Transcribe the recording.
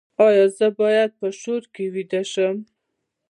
ایا زه باید په شور کې ویده شم؟